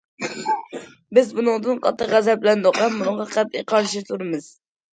بىز بۇنىڭدىن قاتتىق غەزەپلەندۇق ھەم بۇنىڭغا قەتئىي قارشى تۇرىمىز.